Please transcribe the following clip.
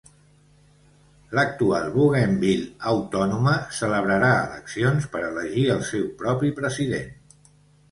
L'actual Bougainville autònoma celebrarà eleccions per elegir el seu propi president.